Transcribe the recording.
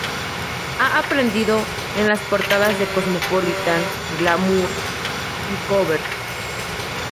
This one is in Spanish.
Ha aparecido en las portadas de "Cosmopolitan", "Glamour", y "Cover".